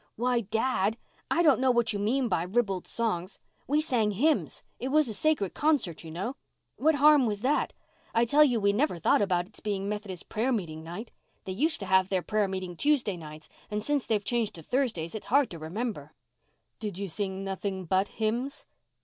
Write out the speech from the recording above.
"Why, Dad, I don't know what you mean by ribald songs. We sang hymns—it was a sacred concert, you know. What harm was that? I tell you we never thought about it's being Methodist prayer meeting night. They used to have their meeting Tuesday nights and since they've changed to Thursdays it's hard to remember." "Did you sing nothing but hymns?"